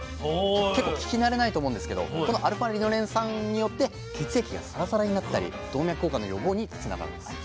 結構聞き慣れないと思うんですけどこのα−リノレン酸によって血液がサラサラになったり動脈硬化の予防につながるんです。